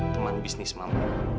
teman bisnis mama